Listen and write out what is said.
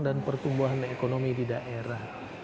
dan pertumbuhan ekonomi di daerah